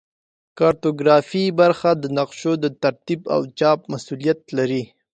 کارتوګرافي برخه د نقشو د ترتیب او چاپ مسوولیت لري